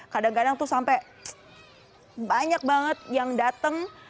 kadang kadang tuh sampai banyak banget yang datang